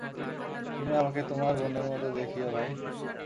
তুমি আমাকে তোমার বোনের মতো দেখিয়ো ভাই।